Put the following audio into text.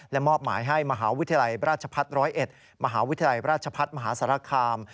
และมอบหมายให้มหาวิทยาลัยราชพัฒน์๑๐๑มหาวิทยาลัยราชพัฒน์มหาสารคาม